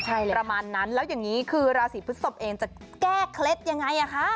อ๋อใช่ประมาณนั้นแล้วอย่างนี้คือราศีพฤกษกเองจะแก้เคล็ดอย่างไรคะ